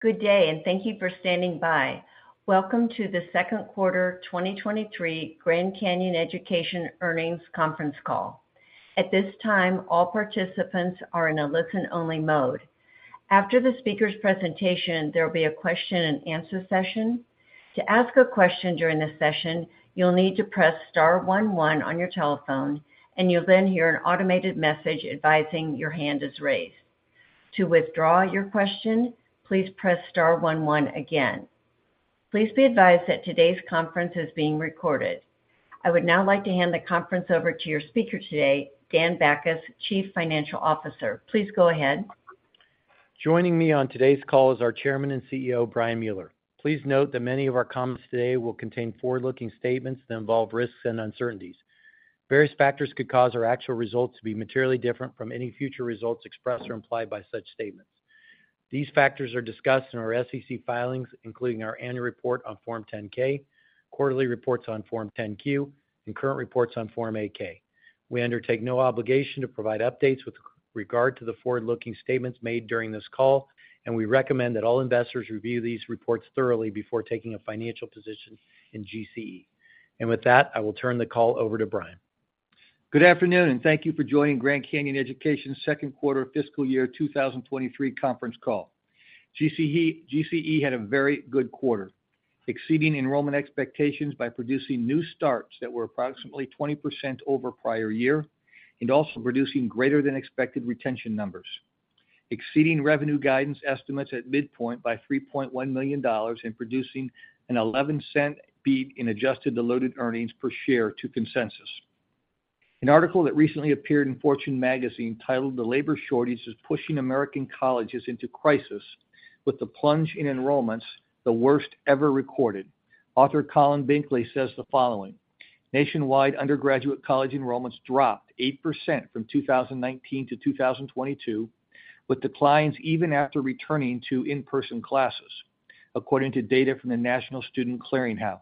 Good day. Thank you for standing by. Welcome to the Second Quarter 2023 Grand Canyon Education Earnings Conference Call. At this time, all participants are in a listen-only mode. After the speaker's presentation, there will be a question-and-answer session. To ask a question during this session, you'll need to press star one one on your telephone, and you'll then hear an automated message advising your hand is raised. To withdraw your question, please press star one one again. Please be advised that today's conference is being recorded. I would now like to hand the conference over to your speaker today, Dan Bachus, Chief Financial Officer. Please go ahead. Joining me on today's call is our Chairman and CEO, Brian Mueller. Please note that many of our comments today will contain forward-looking statements that involve risks and uncertainties. Various factors could cause our actual results to be materially different from any future results expressed or implied by such statements. These factors are discussed in our SEC filings, including our annual report on Form 10-K, quarterly reports on Form 10-Q, and current reports on Form 8-K. We undertake no obligation to provide updates with regard to the forward-looking statements made during this call, and we recommend that all investors review these reports thoroughly before taking a financial position in GCE. With that, I will turn the call over to Brian. Good afternoon, thank you for joining Grand Canyon Education Second Quarter Fiscal Year 2023 Conference Call. GCE had a very good quarter, exceeding enrollment expectations by producing new starts that were approximately 20% over prior year and also producing greater than expected retention numbers, exceeding revenue guidance estimates at midpoint by $3.1 million and producing an $0.11 beat in adjusted diluted earnings per share to consensus. An article that recently appeared in Fortune Magazine, titled "The Labor Shortage, is Pushing American Colleges into Crisis," with the plunge in enrollments the worst ever recorded. Author Collin Binkley says the following: "Nationwide, undergraduate college enrollments dropped 8% from 2019 to 2022, with declines even after returning to in-person classes, according to data from the National Student Clearinghouse.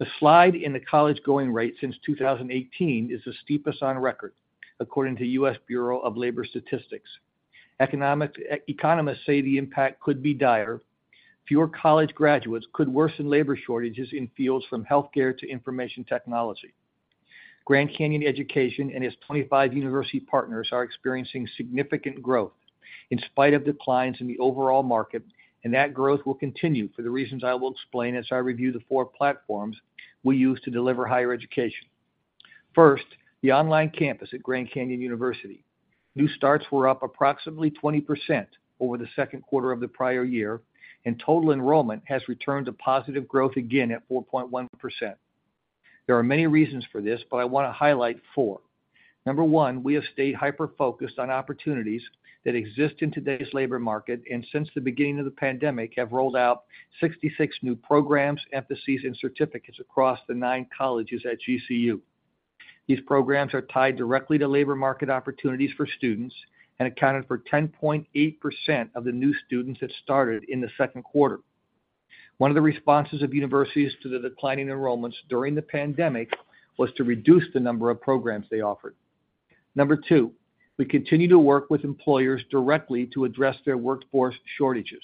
The slide in the college-going rate since 2018 is the steepest on record, according to U.S. Bureau of Labor Statistics. Economists say the impact could be dire. Fewer college graduates could worsen labor shortages in fields from healthcare to information technology. Grand Canyon Education and its 25 university partners are experiencing significant growth in spite of declines in the overall market, and that growth will continue for the reasons I will explain as I review the four platforms we use to deliver higher education. First, the online campus at Grand Canyon University. New starts were up approximately 20% over the second quarter of the prior year, and total enrollment has returned to positive growth again at 4.1%. There are many reasons for this, but I want to highlight four. Number one, we have stayed hyper-focused on opportunities that exist in today's labor market and since the beginning of the pandemic, have rolled out 66 new programs, emphases, and certificates across the nine colleges at GCU. These programs are tied directly to labor market opportunities for students and accounted for 10.8% of the new students that started in the second quarter. One of the responses of universities to the declining enrollments during the pandemic was to reduce the number of programs they offered. Number two, we continue to work with employers directly to address their workforce shortages.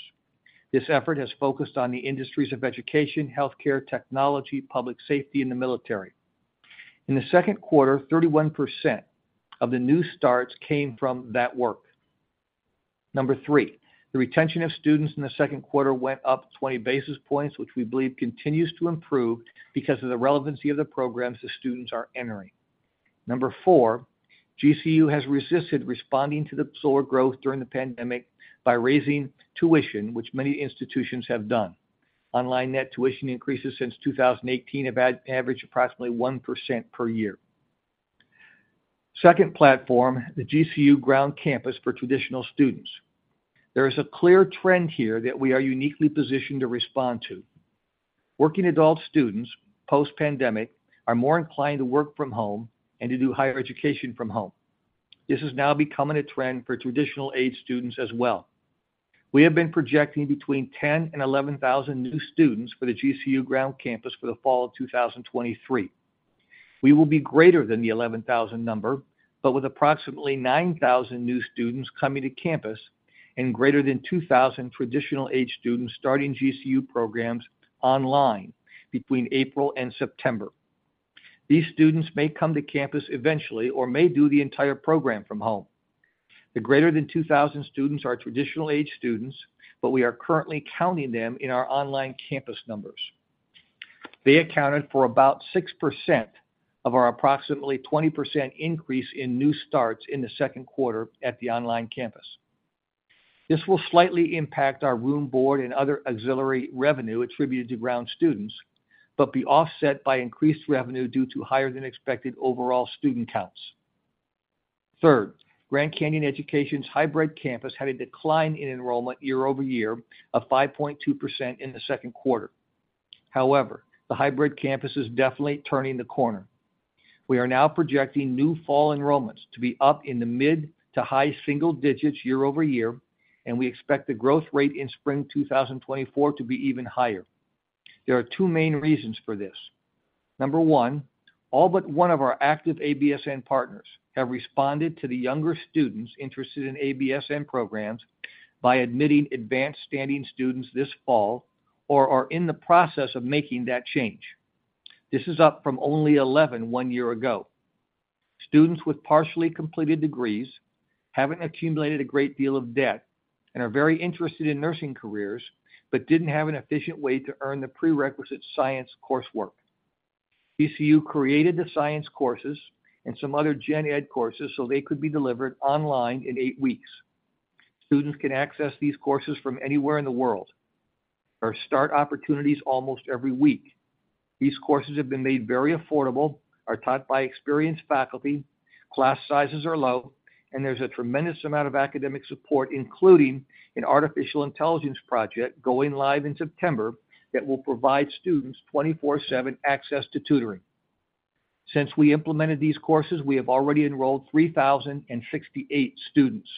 This effort has focused on the industries of education, healthcare, technology, public safety, and the military. In the second quarter, 31% of the new starts came from that work. Number three, the retention of students in the second quarter went up 20 basis points, which we believe continues to improve because of the relevancy of the programs the students are entering. Number four, GCU has resisted responding to the slower growth during the pandemic by raising tuition, which many institutions have done. Online net tuition increases since 2018 have averaged approximately 1% per year. Second platform, the GCU Ground Campus for traditional students. There is a clear trend here that we are uniquely positioned to respond to. Working adult students, post-pandemic, are more inclined to work from home and to do higher education from home. This is now becoming a trend for traditional age students as well. We have been projecting between 10,000-11,000 new students for the GCU Ground Campus for the fall of 2023. We will be greater than the 11,000 number, but with approximately 9,000 new students coming to campus and greater than 2,000 traditional age students starting GCU programs online between April and September. These students may come to campus eventually or may do the entire program from home. The greater than 2,000 students are traditional age students, but we are currently counting them in our online campus numbers. They accounted for about 6% of our approximately 20% increase in new starts in the second quarter at the online campus. This will slightly impact our room, board, and other auxiliary revenue attributed to ground students, but be offset by increased revenue due to higher than expected overall student counts. Third, Grand Canyon Education's Hybrid Campus had a decline in enrollment year-over-year of 5.2% in the second quarter. The hybrid campus is definitely turning the corner. We are now projecting new fall enrollments to be up in the mid to high single digits year-over-year. We expect the growth rate in spring 2024 to be even higher. There are two main reasons for this. Number one, all but one of our active ABSN partners have responded to the younger students interested in ABSN programs by admitting advanced standing students this fall, or are in the process of making that change. This is up from only 11, one year ago. Students with partially completed degrees haven't accumulated a great deal of debt and are very interested in nursing careers, didn't have an efficient way to earn the prerequisite science coursework. GCU created the science courses and some other gen ed courses so they could be delivered online in eight weeks. Students can access these courses from anywhere in the world. There are start opportunities almost every week. These courses have been made very affordable, are taught by experienced faculty, class sizes are low, and there's a tremendous amount of academic support, including an artificial intelligence project going live in September, that will provide students 24/7 access to tutoring. Since we implemented these courses, we have already enrolled 3,068 students.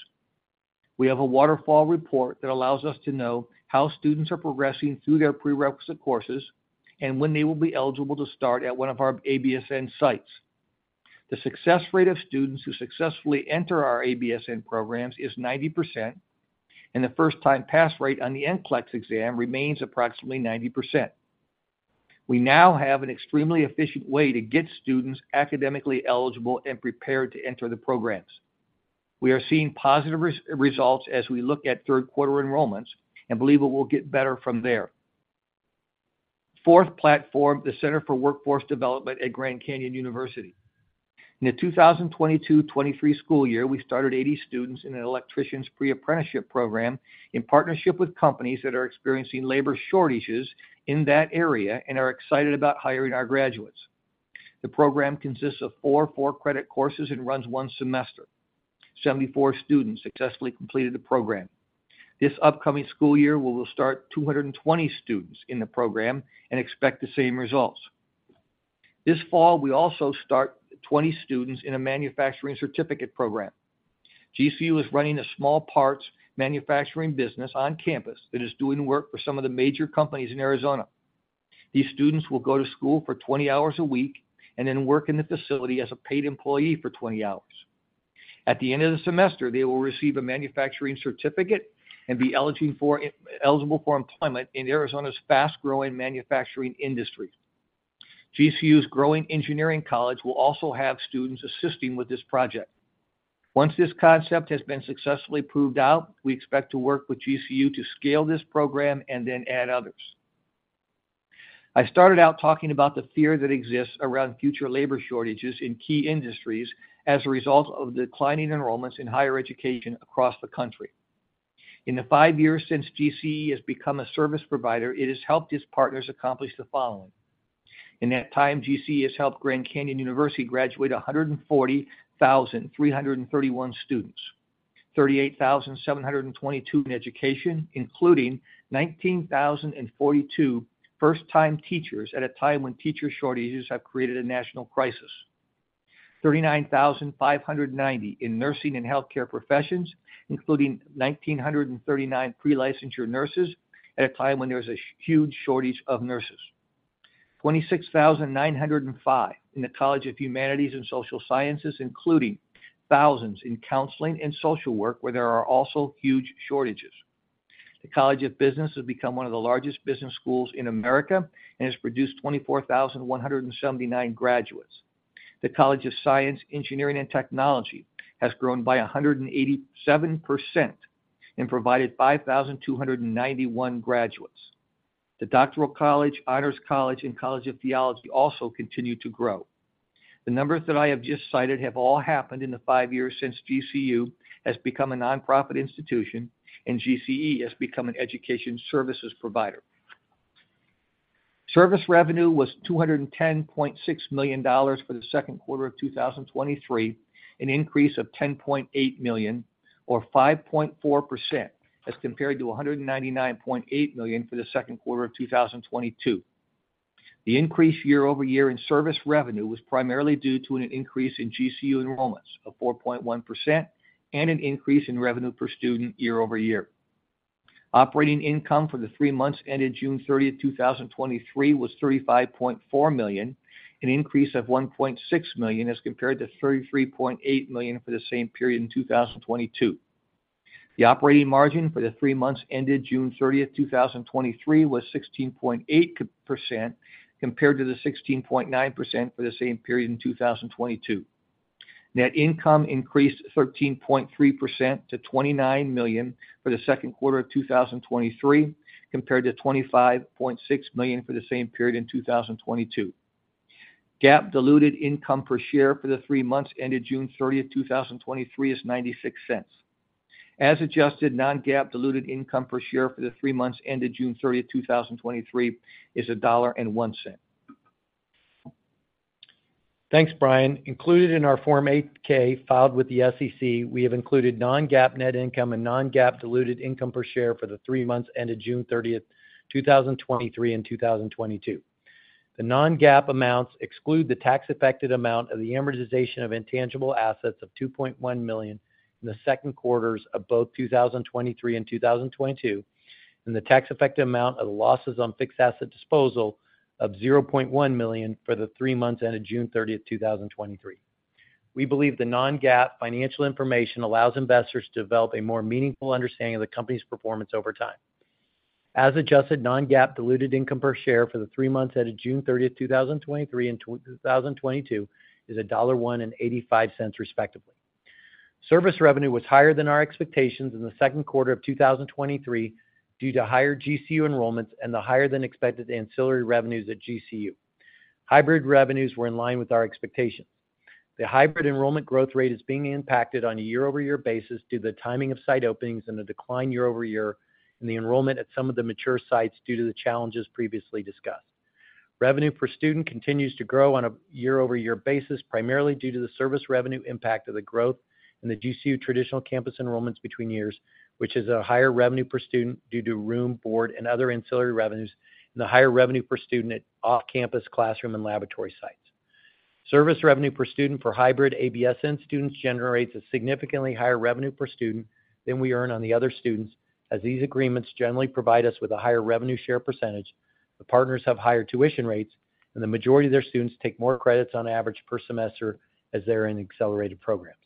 We have a waterfall report that allows us to know how students are progressing through their prerequisite courses and when they will be eligible to start at one of our ABSN sites. The success rate of students who successfully enter our ABSN programs is 90%, and the first-time pass rate on the NCLEX exam remains approximately 90%. We now have an extremely efficient way to get students academically eligible and prepared to enter the programs. We are seeing positive results as we look at third quarter enrollments and believe it will get better from there. Fourth platform, the Center for Workforce Development at Grand Canyon University. In the 2022-2023 school year, we started 80 students in an electrician's pre-apprenticeship program, in partnership with companies that are experiencing labor shortages in that area and are excited about hiring our graduates. The program consists of four, four-credit courses and runs one semester. 74 students successfully completed the program. This upcoming school year, we will start 220 students in the program and expect the same results. This fall, we also start 20 students in a manufacturing certificate program. GCU is running a small parts manufacturing business on campus that is doing work for some of the major companies in Arizona. These students will go to school for 20 hours a week and then work in the facility as a paid employee for 20 hours. At the end of the semester, they will receive a manufacturing certificate and be eligible for, eligible for employment in Arizona's fast-growing manufacturing industry. GCU's growing engineering college will also have students assisting with this project. Once this concept has been successfully proved out, we expect to work with GCU to scale this program and then add others. I started out talking about the fear that exists around future labor shortages in key industries as a result of declining enrollments in higher education across the country. In the five years since GCE has become a service provider, it has helped its partners accomplish the following: In that time, GCE has helped Grand Canyon University graduate 140,331 students, 38,722 in education, including 19,042 first-time teachers, at a time when teacher shortages have created a national crisis. 39,590 in nursing and healthcare professions, including 1,939 pre-licensure nurses, at a time when there's a huge shortage of nurses. 26,905 in the College of Humanities and Social Sciences, including thousands in counseling and social work, where there are also huge shortages. The College of Business has become one of the largest business schools in America and has produced 24,179 graduates. The College of Science, Engineering, and Technology has grown by 187% and provided 5,291 graduates. The Doctoral College, Honors College, and College of Theology also continue to grow. The numbers that I have just cited have all happened in the five years since GCU has become a nonprofit institution and GCE has become an education services provider. Service revenue was $210.6 million for the second quarter of 2023, an increase of $10.8 million or 5.4% as compared to $199.8 million for the second quarter of 2022. The increase year-over-year in service revenue was primarily due to an increase in GCU enrollments of 4.1% and an increase in revenue per student year-over-year. Operating income for the three months ended June 30, 2023, was $35.4 million, an increase of $1.6 million, as compared to $33.8 million for the same period in 2022. The operating margin for the three months ended June 30, 2023, was 16.8%, compared to the 16.9% for the same period in 2022. Net income increased 13.3% to $29 million for the second quarter of 2023, compared to $25.6 million for the same period in 2022. GAAP diluted income per share for the three months ended June 30, 2023, is $0.96. As adjusted, non-GAAP diluted income per share for the three months ended June 30, 2023, is $1.01. Thanks, Brian. Included in our Form 8-K filed with the SEC, we have included non-GAAP net income and non-GAAP diluted income per share for the three months ended June 30th, 2023 and 2022. The non-GAAP amounts exclude the tax-affected amount of the amortization of intangible assets of $2.1 million in the second quarters of both 2023 and 2022, and the tax-affected amount of the losses on fixed asset disposal of $0.1 million for the three months ended June 30th, 2023. We believe the non-GAAP financial information allows investors to develop a more meaningful understanding of the company's performance over time. As adjusted, non-GAAP diluted income per share for the three months ended June 30th, 2023 and 2022, is $1.85, respectively. Service revenue was higher than our expectations in the second quarter of 2023, due to higher GCU enrollments and the higher than expected ancillary revenues at GCU. Hybrid revenues were in line with our expectations. The hybrid enrollment growth rate is being impacted on a year-over-year basis due to the timing of site openings and the decline year-over-year in the enrollment at some of the mature sites due to the challenges previously discussed. Revenue per student continues to grow on a year-over-year basis, primarily due to the service revenue impact of the growth in the GCU traditional campus enrollments between years, which is a higher revenue per student due to room, board, and other ancillary revenues, and the higher revenue per student at off-campus classroom and laboratory sites. Service revenue per student for hybrid ABSN students generates a significantly higher revenue per student than we earn on the other students, as these agreements generally provide us with a higher revenue share %. The partners have higher tuition rates, and the majority of their students take more credits on average per semester as they're in accelerated programs.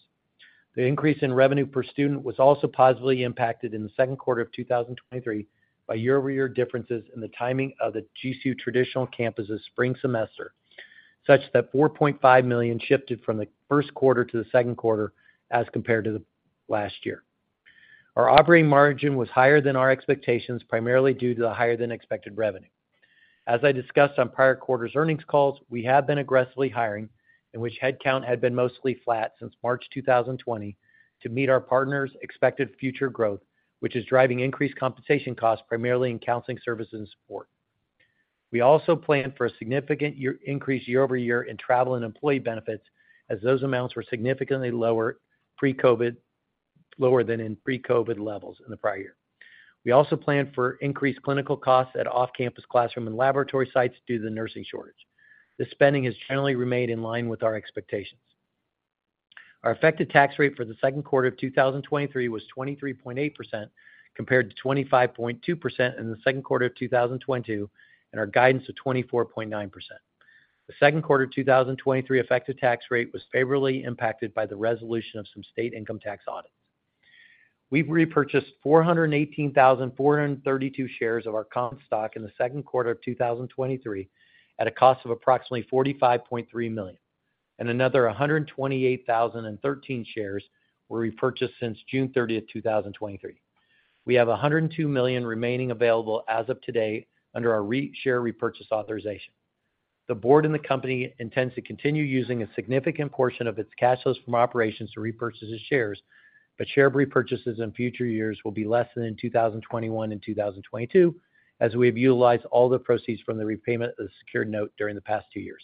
The increase in revenue per student was also positively impacted in the second quarter of 2023 by year-over-year differences in the timing of the GCU traditional campus's spring semester, such that $4.5 million shifted from the first quarter to the second quarter as compared to the last year. Our operating margin was higher than our expectations, primarily due to the higher than expected revenue. As I discussed on prior quarters earnings calls, we have been aggressively hiring, in which headcount had been mostly flat since March 2020, to meet our partners' expected future growth, which is driving increased compensation costs, primarily in counseling services and support. We also planned for a significant increase year over year in travel and employee benefits, as those amounts were significantly lower pre-COVID, lower than in pre-COVID levels in the prior year. We also planned for increased clinical costs at off-campus classroom and laboratory sites due to the nursing shortage. This spending has generally remained in line with our expectations. Our effective tax rate for the second quarter of 2023 was 23.8%, compared to 25.2% in the second quarter of 2022, and our guidance of 24.9%. The second quarter of 2023 effective tax rate was favorably impacted by the resolution of some state income tax audits. We've repurchased 418,432 shares of our common stock in the second quarter of 2023, at a cost of approximately $45.3 million, and another 128,013 shares were repurchased since June 30, 2023. We have $102 million remaining available as of today under our share repurchase authorization. The board and the company intends to continue using a significant portion of its cash flows from operations to repurchase its shares, but share repurchases in future years will be less than in 2021 and 2022, as we have utilized all the proceeds from the repayment of the secured note during the past two years.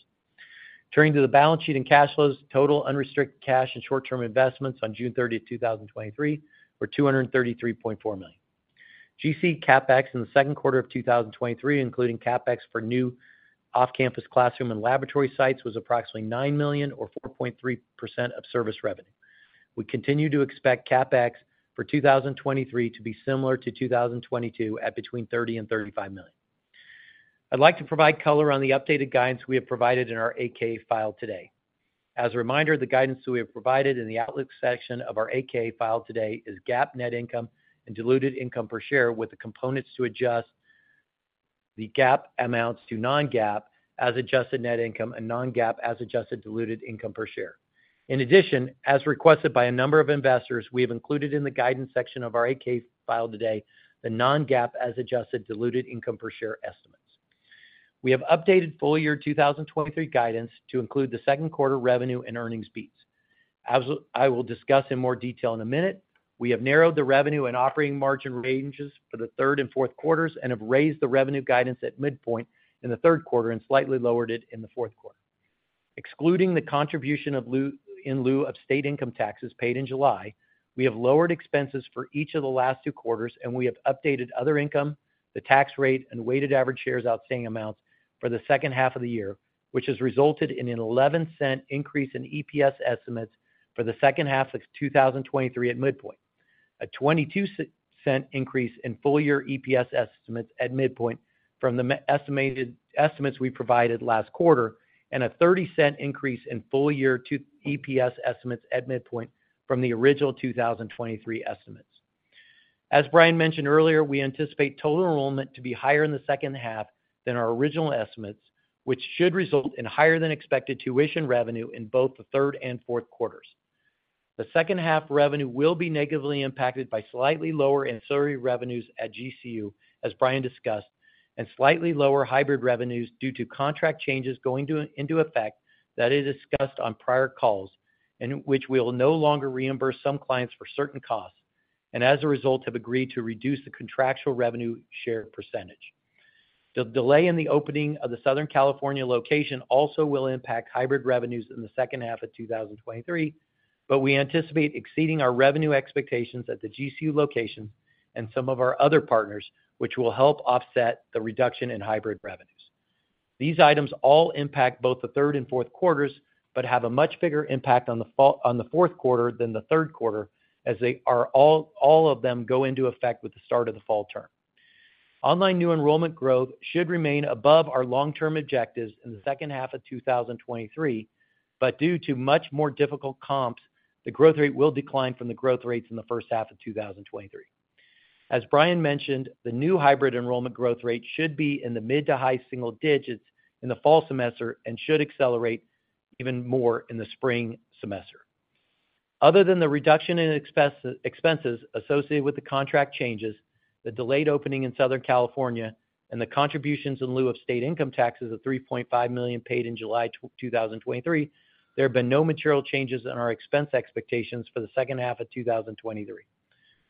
Turning to the balance sheet and cash flows, total unrestricted cash and short-term investments on June 30th, 2023, were $233.4 million. GC CapEx in the second quarter of 2023, including CapEx for new off-campus classroom and laboratory sites, was approximately $9 million or 4.3% of service revenue. We continue to expect CapEx for 2023 to be similar to 2022, at between $30 million and $35 million. I'd like to provide color on the updated guidance we have provided in our 8-K file today. As a reminder, the guidance that we have provided in the outlook section of our 8-K file today is GAAP net income and diluted income per share, with the components to adjust the GAAP amounts to non-GAAP as adjusted net income and non-GAAP as adjusted diluted income per share. In addition, as requested by a number of investors, we have included in the guidance section of our 8-K file today, the non-GAAP as adjusted diluted income per share estimates. We have updated full year 2023 guidance to include the second quarter revenue and earnings beats. As I will discuss in more detail in a minute, we have narrowed the revenue and operating margin ranges for the third and fourth quarters and have raised the revenue guidance at midpoint in the third quarter and slightly lowered it in the fourth quarter. Excluding the contribution of in lieu of state income taxes paid in July, we have lowered expenses for each of the last two quarters, and we have updated other income, the tax rate, and weighted average shares outstanding amounts for the second half of the year, which has resulted in a $0.11 increase in EPS estimates for the second half of 2023 at midpoint, a $0.22 cent increase in full year EPS estimates at midpoint from the estimates we provided last quarter, and a $0.30 increase in full year EPS estimates at midpoint from the original 2023 estimates. As Brian mentioned earlier, we anticipate total enrollment to be higher in the second half than our original estimates, which should result in higher than expected tuition revenue in both the third and fourth quarters. The second half revenue will be negatively impacted by slightly lower ancillary revenues at GCU, as Brian discussed, and slightly lower hybrid revenues due to contract changes going into effect that is discussed on prior calls, and which we will no longer reimburse some clients for certain costs, and as a result, have agreed to reduce the contractual revenue share percentage. The delay in the opening of the Southern California location also will impact hybrid revenues in the second half of 2023. We anticipate exceeding our revenue expectations at the GCU location, and some of our other partners, which will help offset the reduction in hybrid revenues. These items all impact both the third and fourth quarters, but have a much bigger impact on the fall on the fourth quarter than the third quarter, as all of them go into effect with the start of the fall term. Online new enrollment growth should remain above our long-term objectives in the second half of 2023, but due to much more difficult comps, the growth rate will decline from the growth rates in the first half of 2023. As Brian mentioned, the new hybrid enrollment growth rate should be in the mid to high single digits in the fall semester and should accelerate even more in the spring semester. Other than the reduction in expenses associated with the contract changes, the delayed opening in Southern California, and the contributions in lieu of state income taxes of $3.5 million paid in July 2023, there have been no material changes in our expense expectations for the second half of 2023.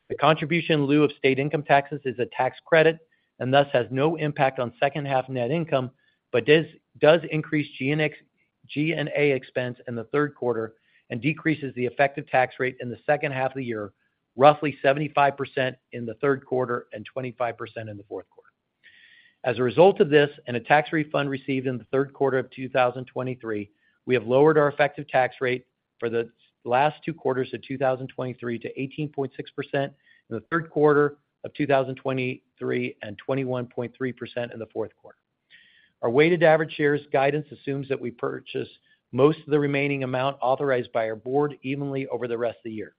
The contribution in lieu of state income taxes is a tax credit and thus has no impact on second-half net income, but does, does increase G&A expense in the third quarter and decreases the effective tax rate in the second half of the year, roughly 75% in the third quarter and 25% in the fourth quarter. As a result of this, a tax refund received in the third quarter of 2023, we have lowered our effective tax rate for the last two quarters of 2023 to 18.6% in the third quarter of 2023, and 21.3% in the fourth quarter. Our weighted average shares guidance assumes that we purchase most of the remaining amount authorized by our board evenly over the rest of the year.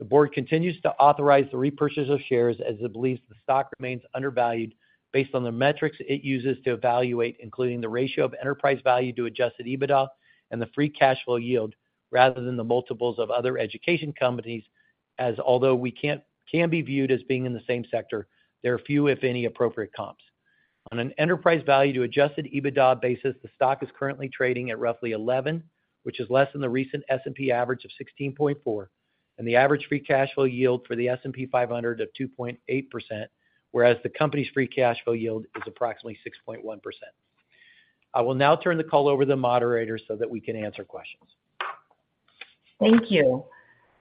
The board continues to authorize the repurchase of shares as it believes the stock remains undervalued based on the metrics it uses to evaluate, including the ratio of enterprise value to adjusted EBITDA and the free cash flow yield, rather than the multiples of other education companies, as although we can be viewed as being in the same sector, there are few, if any, appropriate comps. On an enterprise value to adjusted EBITDA basis, the stock is currently trading at roughly 11, which is less than the recent S&P average of 16.4, and the average free cash flow yield for the S&P 500 of 2.8%, whereas the company's free cash flow yield is approximately 6.1%. I will now turn the call over to the moderator so that we can answer questions. Thank you.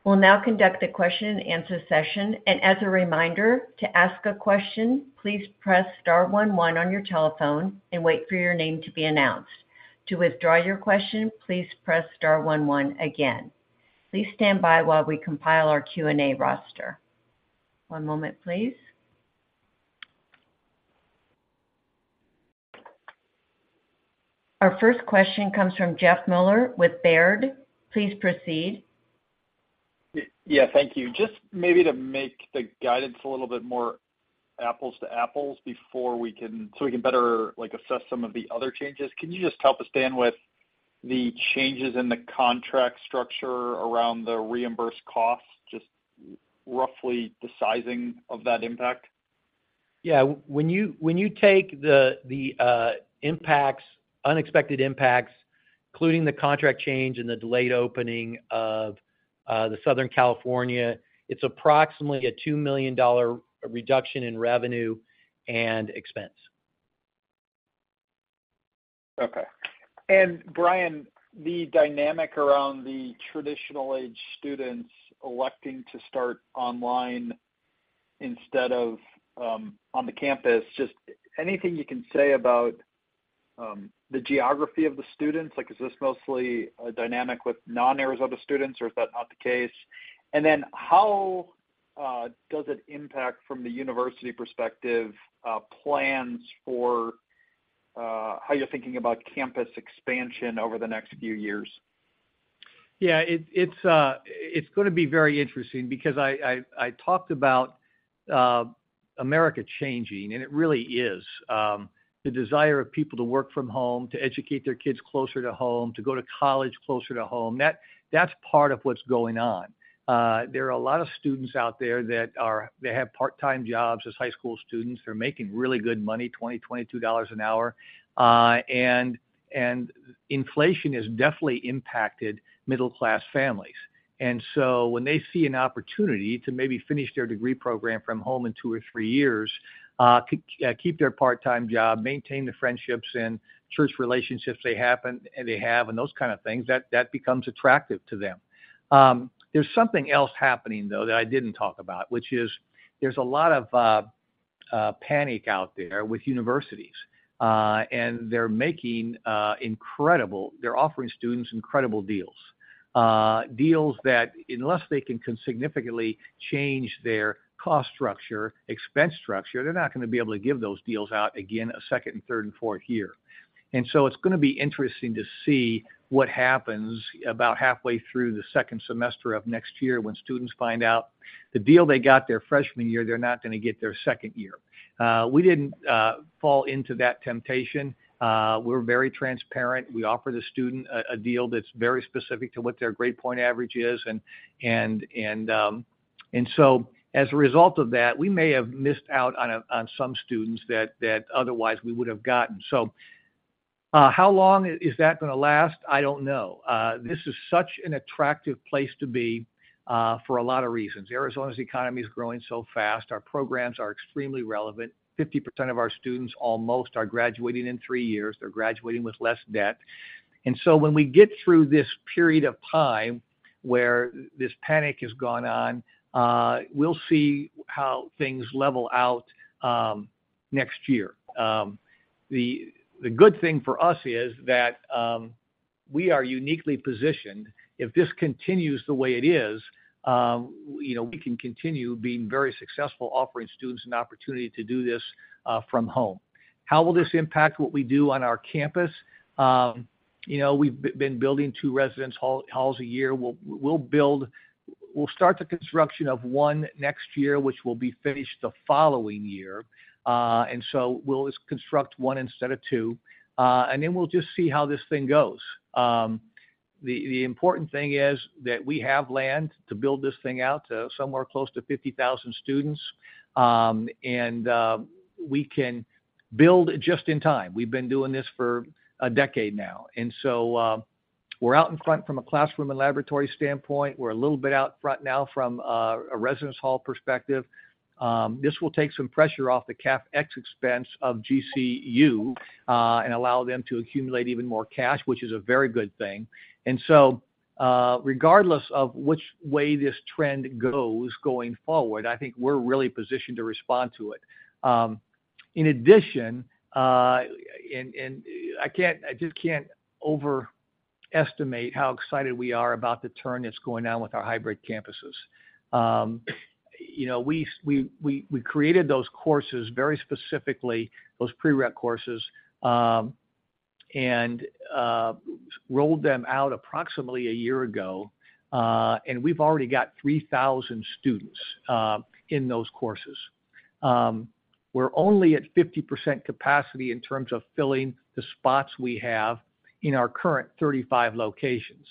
We'll now conduct a question and answer session, and as a reminder, to ask a question, please press star one one on your telephone and wait for your name to be announced. To withdraw your question, please press star one one again. Please stand by while we compile our Q&A roster. One moment, please. Our first question comes from Jeffrey Meuler with Baird. Please proceed. Yeah, thank you. Just maybe to make the guidance a little bit more apples to apples so we can better, like, assess some of the other changes, can you just help us, Dan, with the changes in the contract structure around the reimbursed costs, just roughly the sizing of that impact? Yeah. When you, when you take the, the impacts, unexpected impacts, including the contract change and the delayed opening of Southern California, it's approximately a $2 million reduction in revenue and expense. Okay. Brian, the dynamic around the traditional-age students electing to start online instead of on the campus, just anything you can say about the geography of the students? Like, is this mostly a dynamic with non-Arizona students, or is that not the case? Then how does it impact from the university perspective, plans for how you're thinking about campus expansion over the next few years? Yeah, it, it's, it's gonna be very interesting because I, I, I talked about America changing, and it really is. The desire of people to work from home, to educate their kids closer to home, to go to college closer to home, that's part of what's going on. There are a lot of students out there that have part-time jobs as high school students. They're making really good money, $20-$22 an hour, and inflation has definitely impacted middle-class families. So when they see an opportunity to maybe finish their degree program from home in two or three years, keep their part-time job, maintain the friendships and church relationships they have and those kind of things, that becomes attractive to them. There's something else happening, though, that I didn't talk about, which is there's a lot of panic out there with universities, and they're making incredible-- they're offering students incredible deals. Deals that unless they can significantly change their cost structure, expense structure, they're not going to be able to give those deals out again a second and third and fourth year. It's going to be interesting to see what happens about halfway through the second semester of next year when students find out the deal they got their freshman year, they're not going to get their second year. We didn't fall into that temptation. We're very transparent. We offer the student a, a deal that's very specific to what their grade point average is, and, and, and, and so as a result of that, we may have missed out on, on some students that, that otherwise we would have gotten. How long is that gonna last? I don't know. This is such an attractive place to be, for a lot of reasons. Arizona's economy is growing so fast. Our programs are extremely relevant. 50% of our students, almost, are graduating in three years. They're graduating with less debt. When we get through this period of time where this panic has gone on, we'll see how things level out, next year. The, the good thing for us is that, we are uniquely positioned. If this continues the way it is, you know, we can continue being very successful, offering students an opportunity to do this from home. How will this impact what we do on our campus? You know, we've been building two residence halls a year. We'll, we'll start the construction of one next year, which will be finished the following year, and so we'll construct one instead of two, and then we'll just see how this thing goes. The important thing is that we have land to build this thing out to somewhere close to 50,000 students, and we can build just in time. We've been doing this for a decade now, and so we're out in front from a classroom and laboratory standpoint. We're a little bit out front now from a residence hall perspective. This will take some pressure off the CapEx expense of GCU and allow them to accumulate even more cash, which is a very good thing. Regardless of which way this trend goes going forward, I think we're really positioned to respond to it. In addition, and I just can't overestimate how excited we are about the turn that's going on with our hybrid campuses. You know, we, we, we, we created those courses very specifically, those prereq courses, rolled them out approximately a year ago, and we've already got 3,000 students in those courses. We're only at 50% capacity in terms of filling the spots we have in our current 35 locations.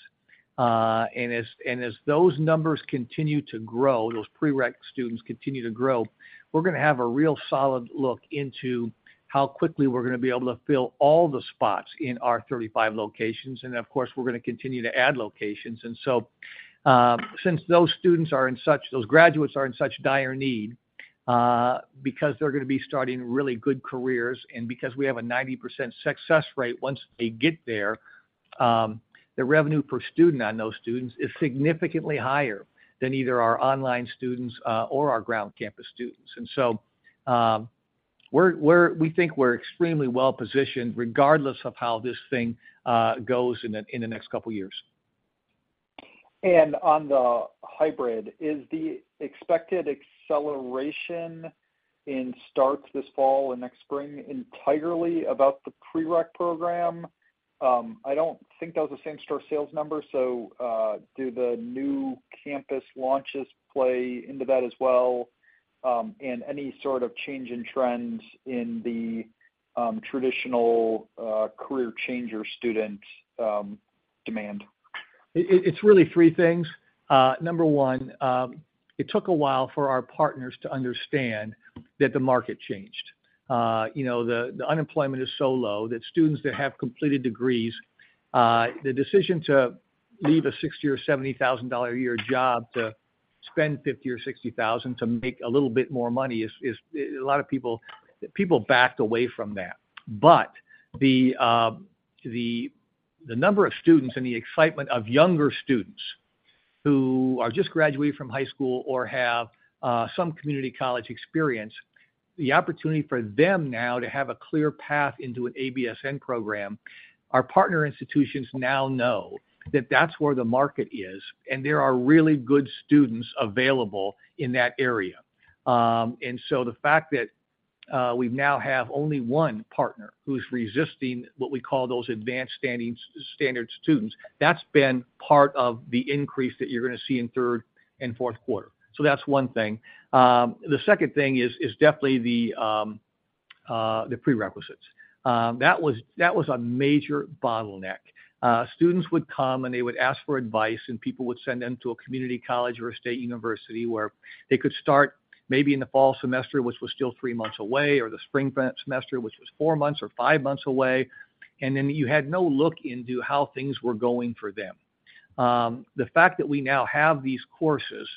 As those numbers continue to grow, those prereq students continue to grow, we're gonna have a real solid look into how quickly we're gonna be able to fill all the spots in our 35 locations. Of course, we're gonna continue to add locations. Since those graduates are in such dire need, because they're gonna be starting really good careers and because we have a 90% success rate, once they get there, the revenue per student on those students is significantly higher than either our online students or our ground campus students. We think we're extremely well-positioned, regardless of how this thing goes in the next couple of years. On the hybrid, is the expected acceleration in starts this fall and next spring entirely about the prereq program? I don't think that was a same-store sales number, so do the new campus launches play into that as well? And any sort of change in trends in the traditional career changer student demand? It's really three things. Number one, it took a while for our partners to understand that the market changed. You know, the unemployment is so low that students that have completed degrees, the decision to leave a $60,000 or $70,000 a year job to spend $50,000 or $60,000 to make a little bit more money is. A lot of people backed away from that. But the number of students and the excitement of younger students who are just graduating from high school or have some community college experience, the opportunity for them now to have a clear path into an ABSN program, our partner institutions now know that that's where the market is, and there are really good students available in that area. The fact that we now have only one partner who's resisting what we call those advanced standing- standard students, that's been part of the increase that you're gonna see in third and fourth quarter. That's one thing. The second thing is, is definitely the prerequisites. That was, that was a major bottleneck. Students would come, and they would ask for advice, and people would send them to a community college or a state university where they could start maybe in the fall semester, which was still three months away, or the spring semester, which was four months or five months away, and then you had no look into how things were going for them. The fact that we now have these courses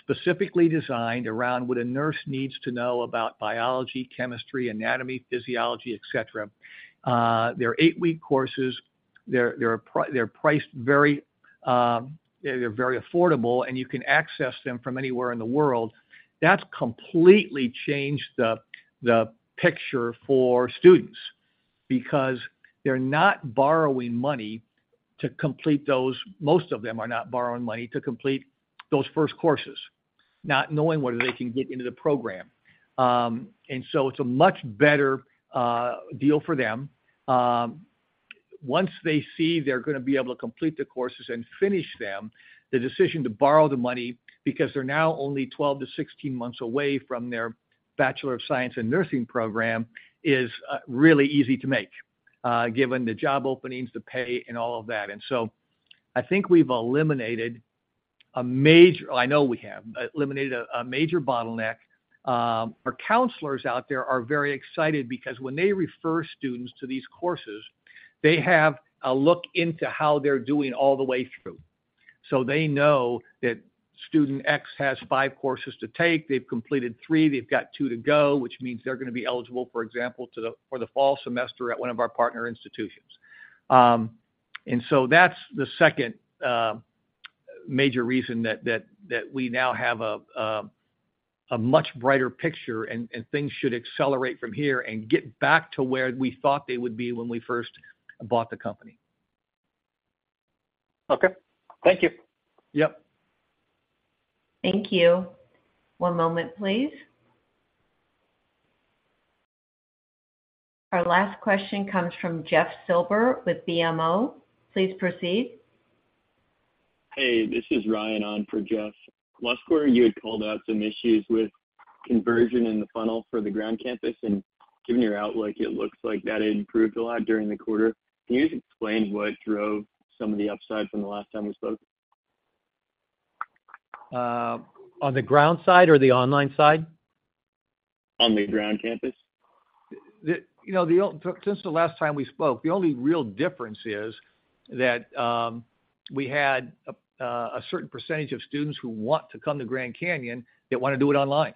specifically designed around what a nurse needs to know about biology, chemistry, anatomy, physiology, et cetera, they're eight-week courses, they're priced very, they're very affordable, and you can access them from anywhere in the world. That's completely changed the, the picture for students because they're not borrowing money to complete those. Most of them are not borrowing money to complete those first courses, not knowing whether they can get into the program. So it's a much better deal for them. Once they see they're gonna be able to complete the courses and finish them, the decision to borrow the money, because they're now only 12-16 months away from their Bachelor of Science in Nursing program, is really easy to make, given the job openings, the pay, and all of that. I think we've eliminated a major. I know we have, eliminated a major bottleneck. Our counselors out there are very excited because when they refer students to these courses, they have a look into how they're doing all the way through. So they know that student X has five courses to take. They've completed three, they've got two to go, which means they're going to be eligible, for example, to the for the fall semester at one of our partner institutions. That's the second major reason that we now have a much brighter picture, and things should accelerate from here and get back to where we thought they would be when we first bought the company. Okay. Thank you. Yep. Thank you. One moment, please. Our last question comes from Jeff Silber with BMO. Please proceed. Hey, this is Ryan on for Jeff. Last quarter, you had called out some issues with conversion in the funnel for the ground campus. Given your outlook, it looks like that improved a lot during the quarter. Can you just explain what drove some of the upside from the last time we spoke? on the ground side or the online side? On the ground campus. The, you know, since the last time we spoke, the only real difference is that we had a certain percentage of students who want to come to Grand Canyon that want to do it online.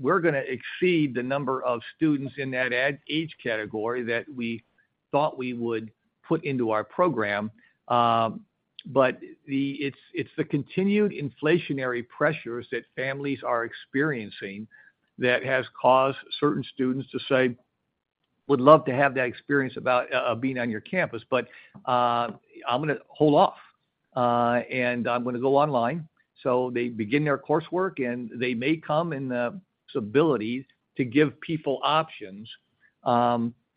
We're gonna exceed the number of students in that ad- age category that we thought we would put into our program. The... It's, it's the continued inflationary pressures that families are experiencing that has caused certain students to say, "Would love to have that experience about being on your campus, but I'm gonna hold off and I'm gonna go online." They begin their coursework, and they may come in, ability to give people options,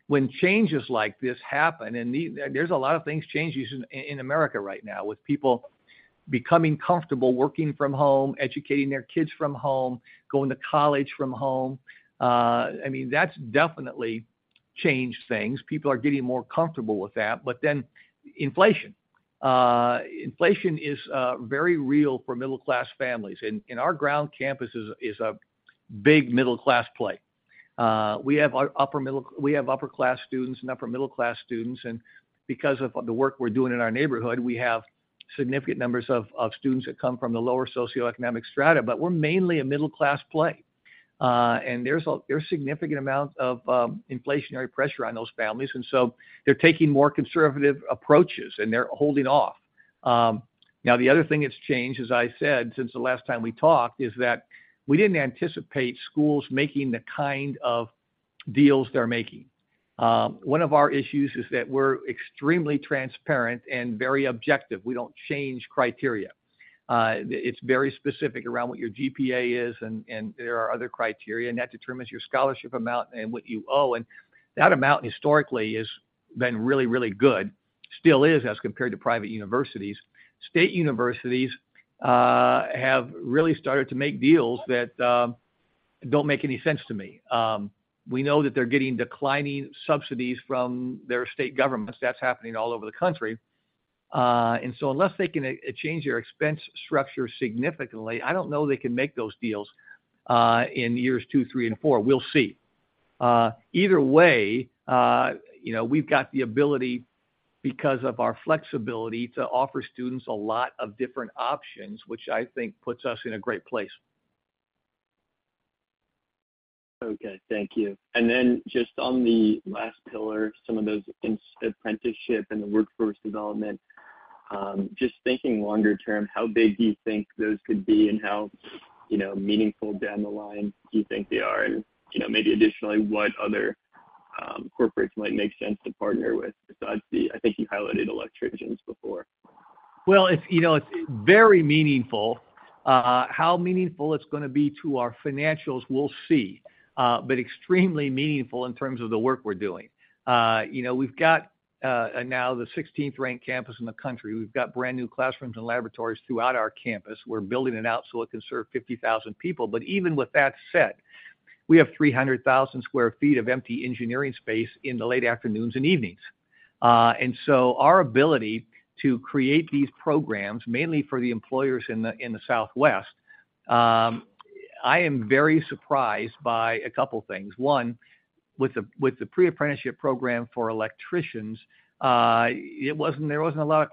when changes like this happen, and there's a lot of things changing in, in America right now, with people becoming comfortable working from home, educating their kids from home, going to college from home. I mean, that's definitely changed things. People are getting more comfortable with that. Then inflation. Inflation is very real for middle-class families, and, and our ground campus is, is a big middle-class play. We have our upper middle- we have upper-class students and upper-middle-class students, and because of the work we're doing in our neighborhood, we have significant numbers of, of students that come from the lower socioeconomic strata. We're mainly a middle-class play. There's a, there's significant amount of inflationary pressure on those families, and so they're taking more conservative approaches, and they're holding off. Now, the other thing that's changed, as I said, since the last time we talked, is that we didn't anticipate schools making the kind of deals they're making. One of our issues is that we're extremely transparent and very objective. We don't change criteria. It's very specific around what your GPA is, and, and there are other criteria, and that determines your scholarship amount and what you owe. That amount, historically, has been really, really good. Still is, as compared to private universities. State universities have really started to make deals that don't make any sense to me. We know that they're getting declining subsidies from their state governments. That's happening all over the country. Unless they can change their expense structure significantly, I don't know they can make those deals in years two, three, and four. We'll see. Either way, you know, we've got the ability, because of our flexibility, to offer students a lot of different options, which I think puts us in a great place. Okay, thank you. Then just on the last pillar, some of those apprenticeship and the workforce development, just thinking longer term, how big do you think those could be and how, you know, meaningful down the line do you think they are? You know, maybe additionally, what other corporates might make sense to partner with besides the... I think you highlighted electricians before? It's, you know, it's very meaningful. How meaningful it's gonna be to our financials, we'll see, but extremely meaningful in terms of the work we're doing. You know, we've got, now the 16th-ranked campus in the country. We've got brand-new classrooms and laboratories throughout our campus. We're building it out so it can serve 50,000 people. Even with that said, we have 300,000 sq ft of empty engineering space in the late afternoons and evenings. Our ability to create these programs, mainly for the employers in the, in the Southwest, I am very surprised by a couple of things. One, with the, with the pre-apprenticeship program for electricians, there wasn't a lot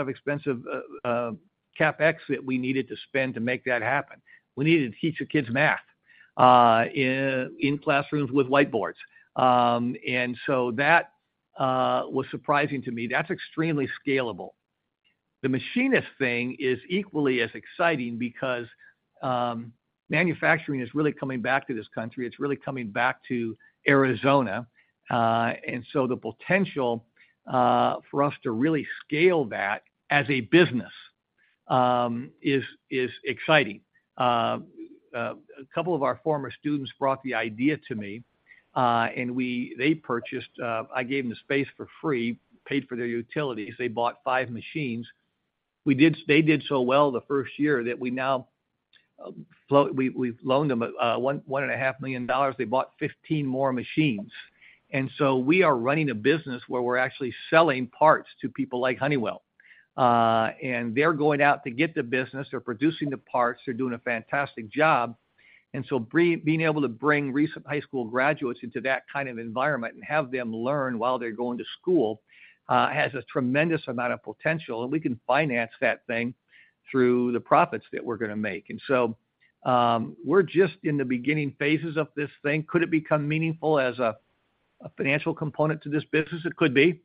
of expensive CapEx that we needed to spend to make that happen. We needed to teach the kids math in, in classrooms with whiteboards. That was surprising to me. That's extremely scalable. The machinist thing is equally as exciting because manufacturing is really coming back to this country. It's really coming back to Arizona, the potential for us to really scale that as a business is exciting. A couple of our former students brought the idea to me. I gave them the space for free, paid for their utilities. They bought five machines. They did so well the first year that we've loaned them $1.5 million. They bought 15 more machines. We are running a business where we're actually selling parts to people like Honeywell. They're going out to get the business, they're producing the parts, they're doing a fantastic job. Being able to bring recent high school graduates into that kind of environment and have them learn while they're going to school, has a tremendous amount of potential, and we can finance that thing through the profits that we're gonna make. We're just in the beginning phases of this thing. Could it become meaningful as a, a financial component to this business? It could be.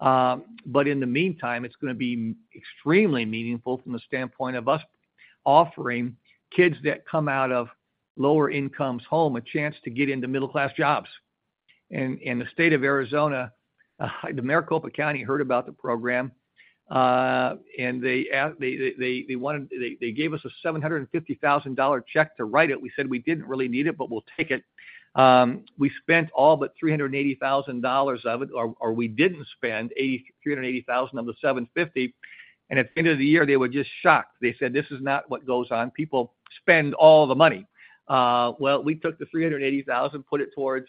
In the meantime, it's gonna be extremely meaningful from the standpoint of us offering kids that come out of lower incomes home, a chance to get into middle-class jobs. The state of Arizona, the Maricopa County, heard about the program, and they wanted... They, they gave us a $750,000 check to write it. We said we didn't really need it, but we'll take it. We spent all but $380,000 of it, or, or we didn't spend $380,000 of the $750,000, and at the end of the year, they were just shocked. They said, "This is not what goes on. People spend all the money." Well, we took the $380,000, put it towards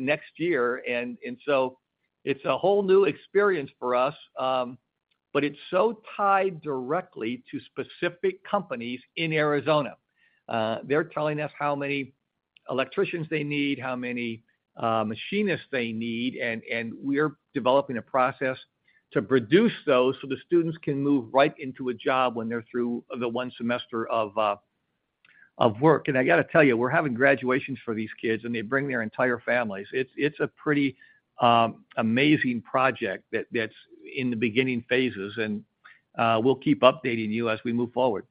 next year, and so it's a whole new experience for us, but it's so tied directly to specific companies in Arizona. They're telling us how many electricians they need, how many machinists they need, and, and we're developing a process to produce those so the students can move right into a job when they're through the one semester of work. I got to tell you, we're having graduations for these kids, and they bring their entire families. It's, it's a pretty amazing project that, that's in the beginning phases, and we'll keep updating you as we move forward.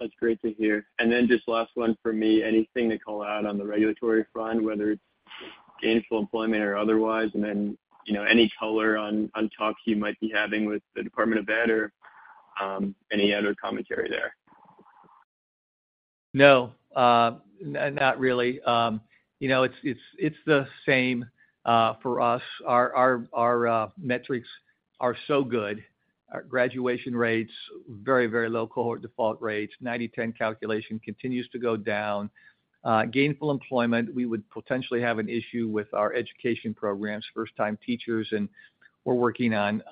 That's great to hear. Then just last one for me, anything to call out on the regulatory front, whether it's Gainful Employment or otherwise, then, you know, any color on, on talks you might be having with the Department of Ed or any other commentary there? No, not, not really. You know, it's, it's, it's the same for us. Our, our, our metrics are so good. Our graduation rates, very, very low cohort default rates, 90/10 calculation continues to go down. Gainful Employment, we would potentially have an issue with our education programs, first-time teachers, and we're working on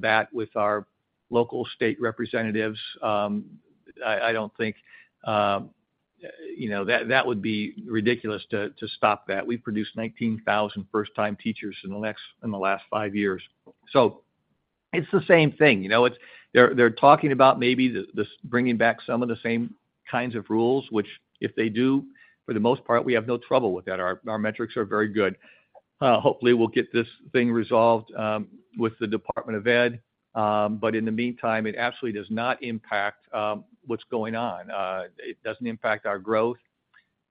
that with our local state representatives. I, I don't think, you know, that, that would be ridiculous to, to stop that. We've produced 19,000 first-time teachers in the last five years. It's the same thing, you know, it's. They're talking about maybe the bringing back some of the same kinds of rules, which, if they do, for the most part, we have no trouble with that. Our, our metrics are very good. Hopefully, we'll get this thing resolved with the Department of Ed, in the meantime, it absolutely does not impact what's going on. It doesn't impact our growth.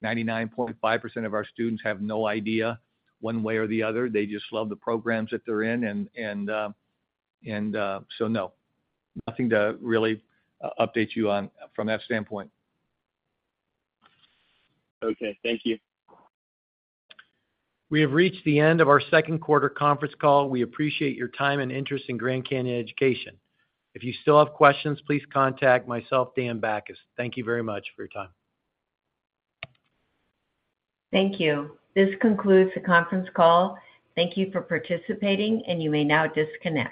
99.5% of our students have no idea, one way or the other. They just love the programs that they're in, and, and, and, no, nothing to really update you on from that standpoint. Okay, thank you. We have reached the end of our second quarter conference call. We appreciate your time and interest in Grand Canyon Education. If you still have questions, please contact myself, Dan Bachus. Thank you very much for your time. Thank you. This concludes the conference call. Thank you for participating, and you may now disconnect.